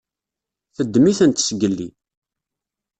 Teddem-itent zgelli.